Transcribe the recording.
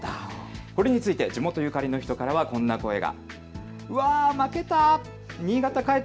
これについて地元ゆかりの人からはこんな声が。